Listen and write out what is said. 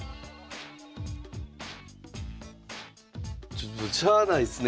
ちょっとしゃあないっすね